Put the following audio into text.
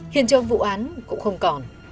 hiện trong vụ án cũng không còn